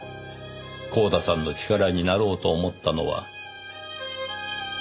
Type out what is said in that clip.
光田さんの力になろうと思ったのは。